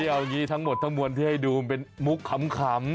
เอาอย่างนี้ทั้งหมดทั้งมวลที่ให้ดูมันเป็นมุกขำ